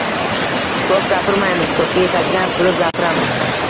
— Ko‘p gapirmaymiz, ko‘pga yetadigan qilib gapiramiz!